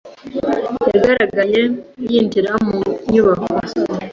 Yagaragaye yinjira mu nyubako.